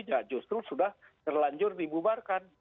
ya justru sudah terlanjur dibubarkan